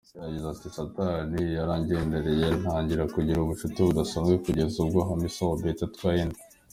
Yagize "Satani yarangendereye ntangira kugira ubucuti budasanzwe kugeza ubwo Hamisa Mobetto atwaye inda.